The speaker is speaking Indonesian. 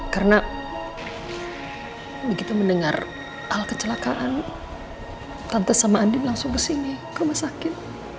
karena begitu mendengar hal kecelakaan tante sama andin langsung kesini ke masakit